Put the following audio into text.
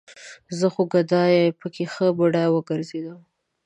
زه خو ګدايه پکې ښه بډايه وګرځېدم